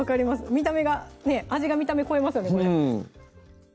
見た目が味が見た目超えますよね